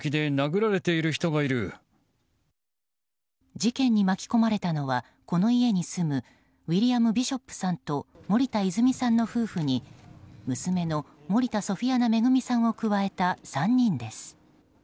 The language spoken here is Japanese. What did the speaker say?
事件に巻き込まれたのはこの家に住むウィリアム・ビショップさんと森田泉さんの夫婦に娘の森田ソフィアナ恵さんを加えた３人です。